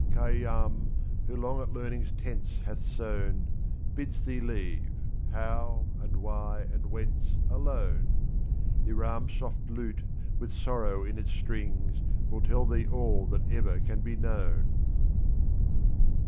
86 Khayyam, who long at learning's tents hath sewn. Bids thee leave How? and Why? and Whence? alone; HjS' Iram's soft lute, with sorrow in its strings, Will tell thee all that ever can be known.